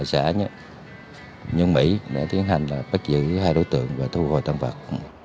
xã nhân mỹ để tiến hành bắt giữ hai đối tượng và thu hồi tâm vật